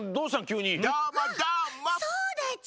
そうだち！